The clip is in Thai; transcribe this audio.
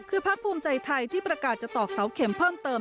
คือพักภูมิใจไทยที่ประกาศจะตอกเสาเข็มเพิ่มเติม